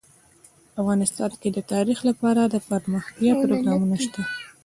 افغانستان کې د تاریخ لپاره دپرمختیا پروګرامونه شته.